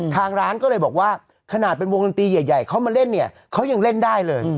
ทางร้านก็เลยบอกว่าขนาดเป็นวงดนตรีใหญ่เขามาเล่นเนี่ยเขายังเล่นได้เลย